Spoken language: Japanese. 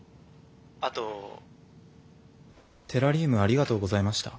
あとテラリウムありがとうございました。